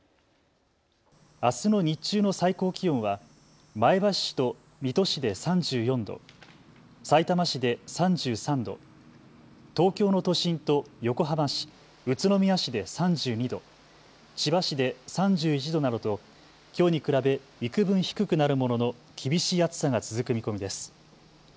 あすの日中の最高気温は前橋市と水戸市で３４度、さいたま市で３３度、東京の都心と横浜市、宇都宮市で３２度、千葉市で３１度などときょうに比べいくぶん低くなるものの厳しい暑さが続く見込みです。